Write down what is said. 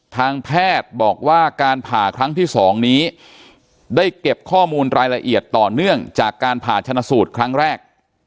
ทางแพทย์บอกว่าการผ่าครั้งที่๒นี้ได้เก็บข้อมูลรายละเอียดต่อเนื่องจากการผ่าชนะสูตรครั้งแรก